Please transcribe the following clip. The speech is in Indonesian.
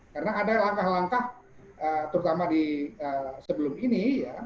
karena ada langkah langkah terutama di sebelum ini